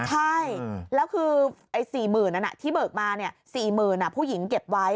ใช่แล้วคือ๔๐๐๐นั้นที่เบิกมา๔๐๐๐ผู้หญิงเก็บไว้